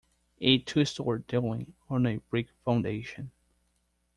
A two story dwelling, on a brick foundation.